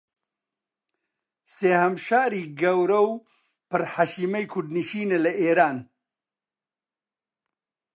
سێھەم شاری گەورە و پر حەشیمەی کوردنشینە لە ئیران